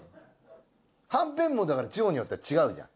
はんぺんも地方によって違うじゃん。